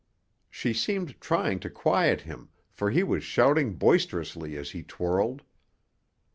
She seemed trying to quiet him, for he was shouting boisterously as he twirled.